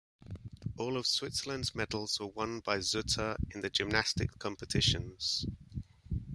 All of Switzerland's medals were won by Zutter in the gymnastics competitions.